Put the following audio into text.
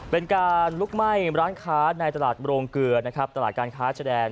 เป็นการลุกไหม้ร้านค้าในตลาดโบรมเกลือตลาดการค้าแจดร